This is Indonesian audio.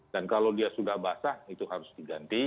dan kalau dia sudah basah itu harus diganti